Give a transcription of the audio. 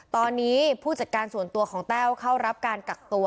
ตอนนี้ผู้จัดการส่วนตัวของแต้วเข้ารับการกักตัว